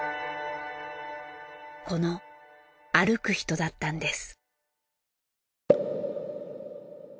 この『歩くひと』だったんです。